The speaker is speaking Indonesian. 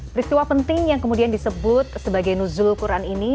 peristiwa penting yang kemudian disebut sebagai nuzul quran ini